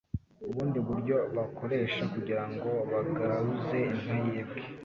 Ubundi buryo bakoresha kugirango bagaruza inka yibwe,